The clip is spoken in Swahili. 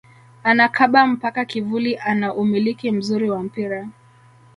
Anakaba mpaka kivuli ana umiliki mzuri wa mpira